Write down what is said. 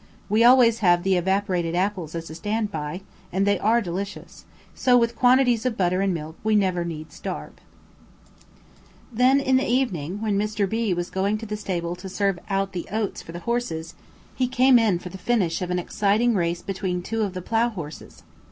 We always have the evaporated apples as a stand by, and they are delicious; so with quantities of butter and milk we never need starve. Then in the evening, when Mr. B was going to the stable to serve out the oats for the horses, he came in for the finish of an exciting race between two of the plough horses.